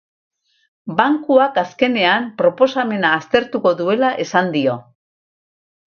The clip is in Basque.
Bankuak azkenean, proposamena aztertuko duela esan dio.